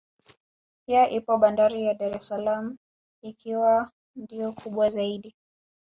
Pia ipo bandari ya Dar es salaam ikiwa ndiyo kubwa zaidi